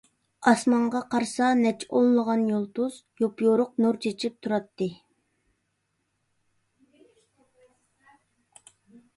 ئاسمانغا قارىسا، نەچچە ئونلىغان يۇلتۇز يوپيورۇق نۇر چېچىپ تۇراتتى.